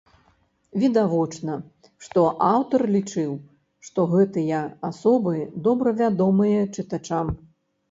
Відавочна, што аўтар лічыў, што гэтыя асобы добра вядомыя чытачам.